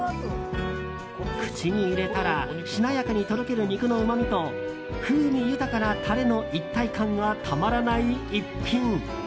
口に入れたらしなやかにとろける肉のうまみと風味豊かなタレの一体感がたまらない逸品。